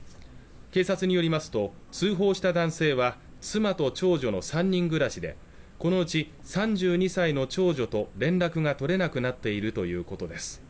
警察によりますと通報した男性は妻と長女の３人暮らしでこのうち３２歳の長女と連絡が取れなくなっているということです